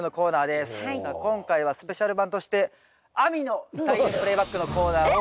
さあ今回はスペシャル版として「亜美の菜園プレイバック」のコーナーを。